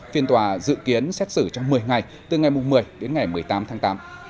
phiên tòa dự kiến xét xử trong một mươi ngày từ ngày một mươi đến ngày một mươi tám tháng tám